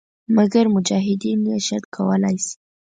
مګر مجاهدین یې شل کولای شي.